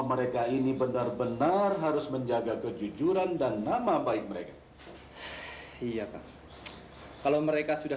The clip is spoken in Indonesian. mereka ini benar benar harus menjaga kejujuran dan nama baik mereka iya kan kalau mereka sudah